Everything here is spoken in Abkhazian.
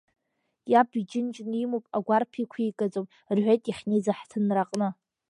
Иаб иџьынџьны имоуп, агәарԥ иқәигаӡом, — рҳәеит иахьнеиз аҳҭынраҟны.